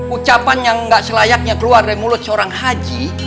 ucapan yang nggak selayaknya keluar dari mulut seorang haji